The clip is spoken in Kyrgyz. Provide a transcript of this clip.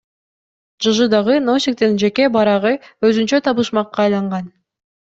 ЖЖдагы Носиктин жеке барагы өзүнчө табышмакка айланган.